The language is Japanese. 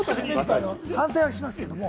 反省はしますけども。